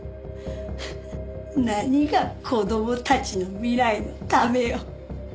何が「子供たちの未来のため」よ。